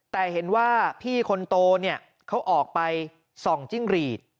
แต่เห็นว่าพี่คนโตเนี่ยเขาออกไปส่องจิ้งหรีด